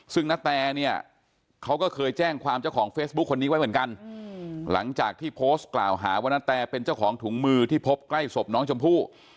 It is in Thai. ซึ่งณแตเนี่ยเขาก็เคยแจ้งความเจ้าของเฟซบุ๊คคนนี้ไว้เหมือนกันหลังจากที่โพสต์กล่าวหาว่านาแตเป็นเจ้าของถุงมือที่พบใกล้ศพน้องชมพู่